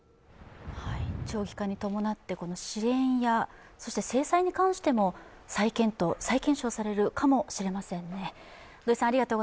長期化に伴って、支援や制裁に関しても再検討、再検証されるかもしれませんね。